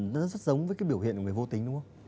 nó rất giống với cái biểu hiện của người vô tính đúng không